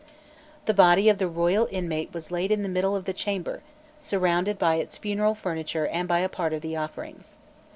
The body of the royal inmate was laid in the middle of the chamber, surrounded by its funeral furniture and by a part of the offerings.